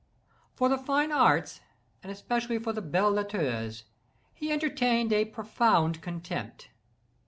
For the fine arts, and especially for the belles lettres, he entertained a profound contempt.